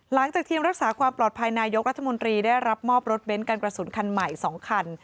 หลังจากทีมรักษาความปลอดภัยนายกรัฐมนตรีได้รับมอบรถเบ้นการกระสุนคันใหม่๒คัน